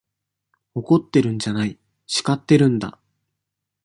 怒ってるんじゃない、叱ってるんだ。